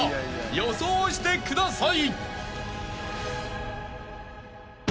［予想してください］